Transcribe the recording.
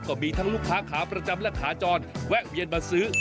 ก็มีทั้งลูกค้าขาประจำและขาจรแวะเวียนมาซื้อ